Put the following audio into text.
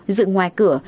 dựng ngoài cửa